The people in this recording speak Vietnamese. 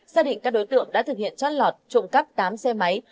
xác định các đối tượng đã thực hiện trót lọt trộm cắp tám xe máy